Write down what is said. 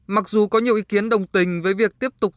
mặc dù có nhiều ý kiến đồng tình với việc tiếp tục